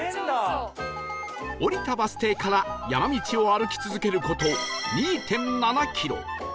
降りたバス停から山道を歩き続ける事 ２．７ キロ